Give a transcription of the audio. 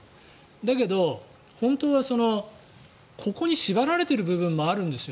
だけど、本当はここに縛られている部分もあるんですよ。